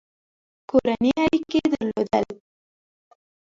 کورني اړیکي درلودل.